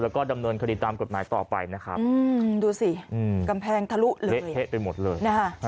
แล้วก็ดำเนินคดีตามกฎหมายต่อไปนะครับดูสิกำแพงทะลุเลยเละเทะไปหมดเลยนะฮะ